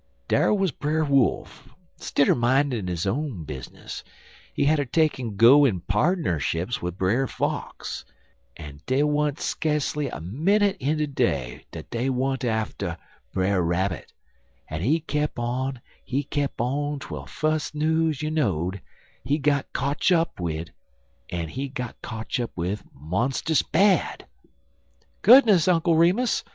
Dar wuz Brer Wolf; stidder mindin' un his own bizness, he hatter take en go in pardnerships wid Brer Fox, en dey want skacely a minnit in de day dat he want atter Brer Rabbit, en he kep' on en kep' on twel fus' news you knowed he got kotch up wid en he got kotch up wid monstus bad." "Goodness, Uncle Remus!